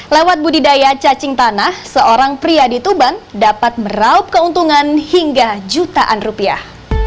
lewat budidaya cacing tanah seorang pria di tuban dapat meraup keuntungan hingga jutaan rupiah